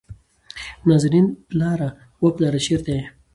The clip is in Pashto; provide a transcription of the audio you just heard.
نازنين: پلاره، وه پلاره چېرته يې ؟